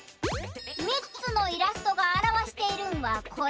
みっつのイラストがあらわしているんはこれ。